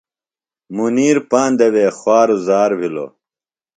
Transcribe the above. منیر پاندہ وے خواروزار بِھلوۡ۔